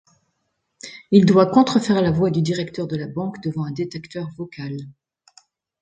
Il doit contrefaire la voix du directeur de la banque devant un détecteur vocal.